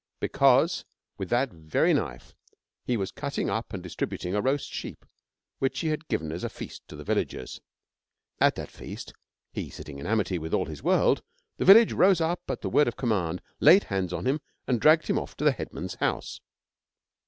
Because with that very knife he was cutting up and distributing a roast sheep which he had given as a feast to the villagers. At that feast, he sitting in amity with all his world, the village rose up at the word of command, laid hands on him, and dragged him off to the headman's house.